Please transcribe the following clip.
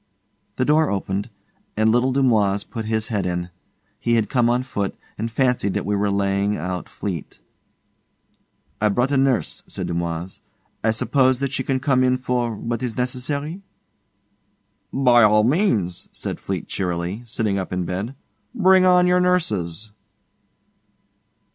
The door opened, and little Dumoise put his head in. He had come on foot, and fancied that we were laving out Fleete. 'I've brought a nurse,' said Dumoise. 'I suppose that she can come in for... what is necessary.' 'By all means,' said Fleete cheerily, sitting up in bed. 'Bring on your nurses.